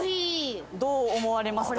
どう思われますか？